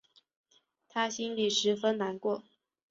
她心里十分难过